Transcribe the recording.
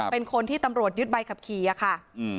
เป็นคนที่ตำรวจยึดใบขับขี่อะค่ะ